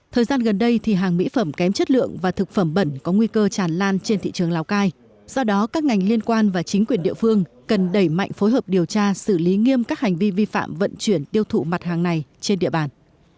thời gian gần đây thì hàng mỹ phẩm kém chất lượng và thực phẩm bẩn có nguy cơ tràn lan trên thị trường lào cai do đó các ngành liên quan và chính quyền địa phương cần đẩy mạnh phối hợp điều tra xử lý nghiêm các hành vi vi phạm vận chuyển tiêu thụ mặt hàng này trên địa bàn